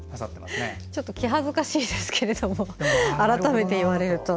気恥ずかしいですけれども改めて言われると。